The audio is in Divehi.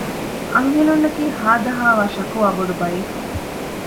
އަންހެނުންނަކީ ހާދަހާވާ ޝަކުވާ ބޮޑު ބައެއް